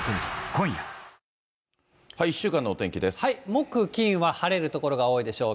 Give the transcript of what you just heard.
木、金は晴れる所が多いでしょう。